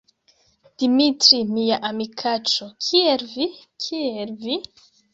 Dimitri, mia amikaĉo, kiel vi? Kiel vi?